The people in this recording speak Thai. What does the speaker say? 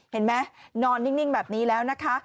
เห็นไหมนอนนิ่งแบบนี้แล้วนะคะ